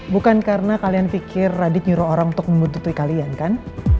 bukan karena kalian pikir radit nyuruh orang untuk membutuhkan kalian kan